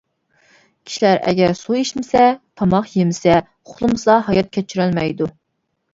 كىشىلەر ئەگەر سۇ ئىچمىسە، تاماق يېمىسە، ئۇخلىمىسا ھايات كەچۈرەلمەيدۇ.